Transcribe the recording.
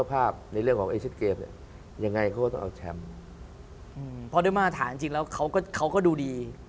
เพราะด้วยมารรถาจริงแล้วเขาก็ดูดี